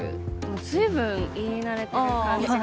ずいぶん言い慣れてる感じが。